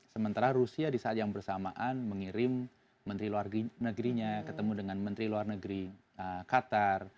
sementara rusia di saat yang bersamaan mengirim menteri luar negerinya ketemu dengan menteri luar negeri qatar